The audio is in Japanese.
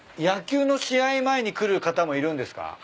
野球の試合前に来る方もいるんですか？